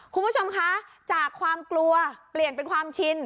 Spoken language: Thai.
คุณผู้ชมคะจากความกลัวเปลี่ยนเป็นความชิน